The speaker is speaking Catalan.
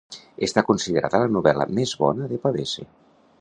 Està considerada la novel·la més bona de Pavese.